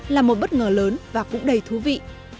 là một bất ngờ lớn và cũng đầy thú vị